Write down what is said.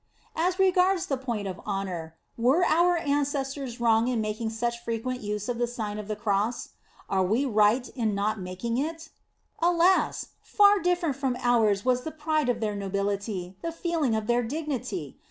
* As regards the point of honor, were our ancestors wrong in making such frequent use of the Siofn of the Cross ? Are we ri^ht in o o not making it? Alas! far different from ours was the pride of their nobility, the feeling of thtr dignity!